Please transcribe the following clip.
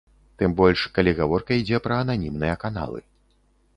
Тым больш, калі гаворка ідзе пра ананімныя каналы.